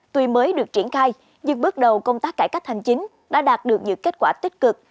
tuy mới được triển khai nhưng bước đầu công tác cải cách hành chính đã đạt được những kết quả tích cực